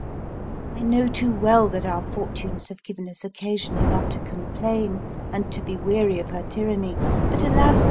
I know too well that our fortunes have given us occasion enough to complain and to be weary of her tyranny; but, alas!